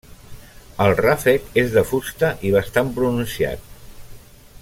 El ràfec és de fusta i bastant pronunciat.